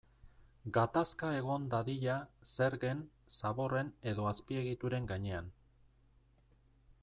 Gatazka egon dadila zergen, zaborren edo azpiegituren gainean.